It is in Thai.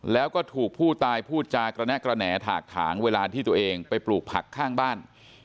แล้วก็ถูกผู้ตายพูดจากระแนะกระแหน่ถากถางเวลาที่ตัวเองไปปลูกผักข้างบ้าน